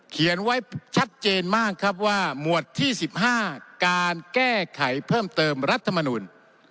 เขียนไว้ชัดเจนมากครับว่าหมวดที่๑๕การแก้ไขเพิ่มเติมรัฐมนุน